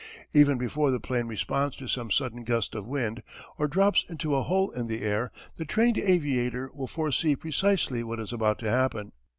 Even before the 'plane responds to some sudden gust of wind, or drops into a hole in the air, the trained aviator will foresee precisely what is about to happen.